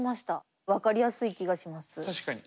確かに。